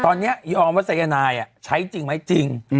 ตอนนี้ยอมวัฒนยนายอะใช้จริงไม้จริง